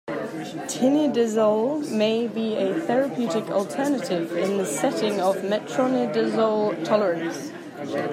Tinidazole may be a therapeutic alternative in the setting of metronidazole tolerance.